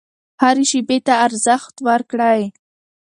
هرې شیبې ته ارزښت ورکړئ.